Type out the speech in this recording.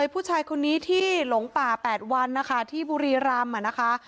ผู้ชายคนนี้ที่หลงป่า๘วันที่บุรีรำ